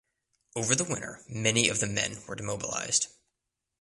Over the winter many of the men were demobilised.